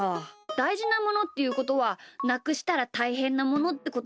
だいじなものっていうことはなくしたらたいへんなものってことだよな。